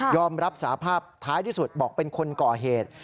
อมรับสาภาพท้ายที่สุดบอกเป็นคนก่อเหตุ